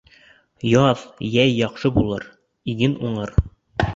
Яҙ, йәй яҡшы булыр, иген уңыр.